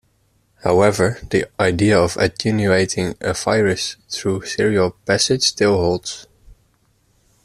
However, the idea of attenuating a virus through serial passage still holds.